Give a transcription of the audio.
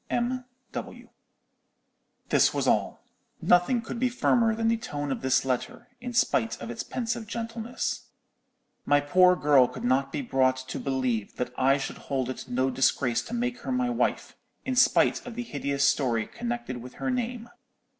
_ M.W.' "This was all. Nothing could be firmer than the tone of this letter, in spite of its pensive gentleness. My poor girl could not be brought to believe that I should hold it no disgrace to make her my wife, in spite of the hideous story connected with her name.